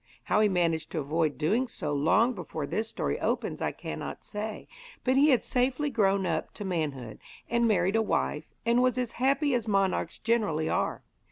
How he managed to avoid doing so long before this story opens I cannot say, but he had safely grown up to manhood, and married a wife, and was as happy as monarchs generally are.